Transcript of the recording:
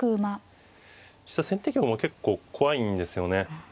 先手玉も結構怖いんですよね。